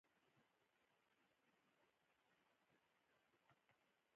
د مخدره توکو د بانډونو او کاروبار مخنیوي پاتې راغلی.